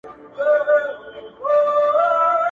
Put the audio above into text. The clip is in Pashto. ستا له غمه مي بدن ټوله کړېږي.